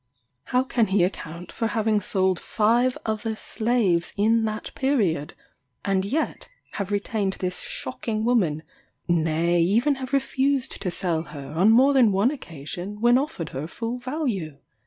How can he account for having sold five other slaves in that period, and yet have retained this shocking woman nay, even have refused to sell her, on more than one occasion, when offered her full value?